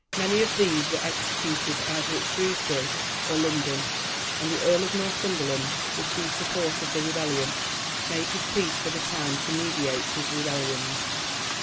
Many of these were executed either at Shrewsbury or London; and the Earl of Northumberland, the chief support of the rebellion, made his peace for the time to meditate his rebellions.